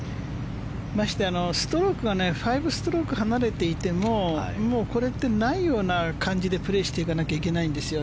まして、ストロークが５ストローク離れていてもこれってないような感じでプレーしていかなきゃいけないんですよ